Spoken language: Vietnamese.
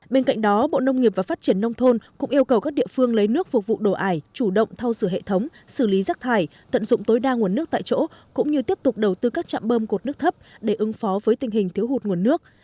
bên cạnh đó bộ nông nghiệp và phát triển nông thôn cũng yêu cầu các địa phương lấy nước phục vụ đổ ải chủ động thu sửa hệ thống xử lý rác thải tận dụng tối đa nguồn nước tại chỗ cũng như tiếp tục đầu tư các trạm bơm cột nước thấp để ứng phó với tình hình thiếu hụt nguồn nước